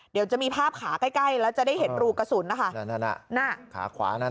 เดี๋ยวจะมีภาพขาใกล้แล้วจะได้เห็นรูกระสุนนะค่ะขาขวา